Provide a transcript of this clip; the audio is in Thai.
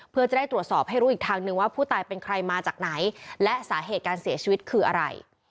เพื่อจะได้ตรวจสอบให้รู้อีกทางนึงว่าผู้ตายเป็นใครมาจากไหนและสาเหตุการเสียชีวิตคืออะไร